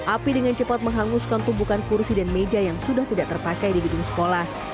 api dengan cepat menghanguskan tumpukan kursi dan meja yang sudah tidak terpakai di gedung sekolah